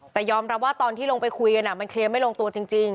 แต่ยอมรับว่าตอนที่ลงไปคุยกันมันเคลียร์ไม่ลงตัวจริง